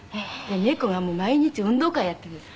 猫が毎日運動会やっているんです。